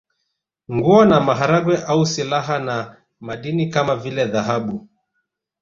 Nguo na maharage au silaha na madini kama vile dhahabu